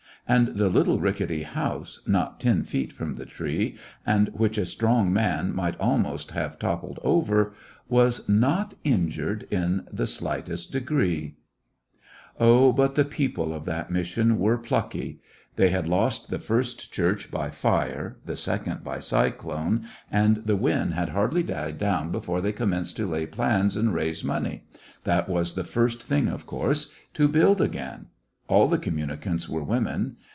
And the little rickety house, not ten feet from the tree, and which a strong man might almost have top pled over, was not injured in the slightest degree ! 67 Hecoiiections of a Pluck md persistence Oh, bot the people of that mission were plucky ! They had lost the first chorch by firCj the second by cycloacj and the wind had hardly died down before they commenced to lay plans and raise money— that was thp first thingj of course— to buOd again. All the com miinicants were women.